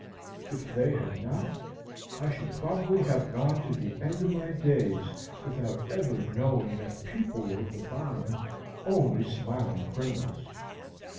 If they had not, I should probably have gone to the end of my days without ever knowing that people were at bottom only smiling criminals.